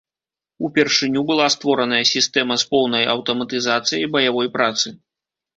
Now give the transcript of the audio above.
Упершыню была створаная сістэма з поўнай аўтаматызацыяй баявой працы.